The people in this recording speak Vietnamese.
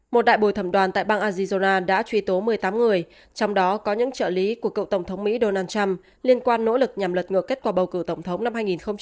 một đại bồi thẩm đoàn tại bang azizora đã truy tố một mươi tám người trong đó có những trợ lý của cựu tổng thống mỹ donald trump liên quan nỗ lực nhằm lật ngược kết quả bầu cử tổng thống năm hai nghìn một mươi sáu